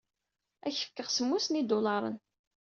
Ad ak-fkeɣ semmus n yidulaṛen.